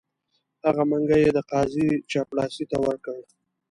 هغه منګی یې د قاضي چپړاسي ته ورکړ.